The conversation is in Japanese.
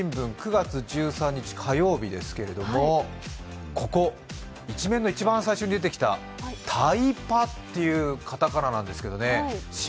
９月１３日火曜日ですけれども、ここ、１面の一番最初に出てきたタイパっていう片仮名なんですけどね。